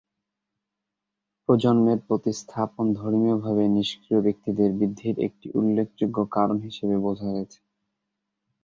প্রজন্মের প্রতিস্থাপন ধর্মীয়ভাবে নিষ্ক্রিয় ব্যক্তিদের বৃদ্ধির একটি উল্লেখযোগ্য কারণ হিসাবে বোঝা গেছে।